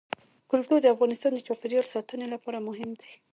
کلتور د افغانستان د چاپیریال ساتنې لپاره مهم دي.